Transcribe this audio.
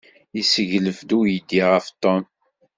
Yesseglef-d uydi ɣef Tom.